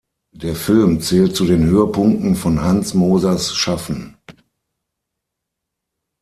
Der Film zählt zu den Höhepunkten von Hans Mosers Schaffen.